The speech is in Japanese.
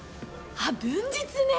あっ文実ね。